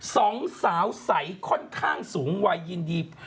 สองสาวใสค่อนข้างสูงวัยยินดี